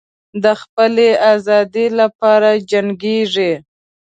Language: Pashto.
د خپلې آزادۍ لپاره جنګیږي.